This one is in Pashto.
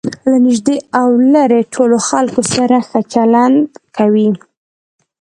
له نژدې او ليري ټولو خلکو سره ښه چلند کوئ!